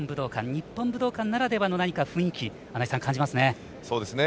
日本武道館ならではの雰囲気感じますね。